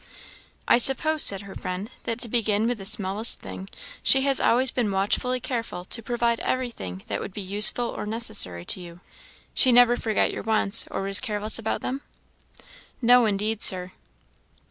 "I suppose," said her friend, "that, to begin with the smallest thing, she has always been watchfully careful to provide every thing that would be useful or necessary for you; she never forgot your wants, or was careless about them?" "No indeed, Sir."